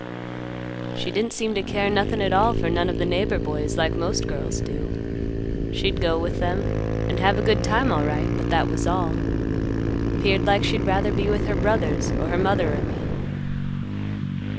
"She didn't seem to care nothin' at all for none of the neighbor boys like most girls do; she'd go with them and have a good time alright, but that was all. 'Peared like she'd rather be with her brothers or her mother or me.